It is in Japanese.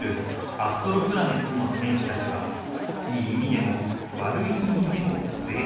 アストロプラネッツの選手たちはいい意味でも悪い意味でも個性派ぞろい。